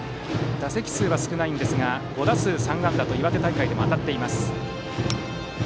打席数は少ないんですが５打数３安打と岩手大会でも当たっています。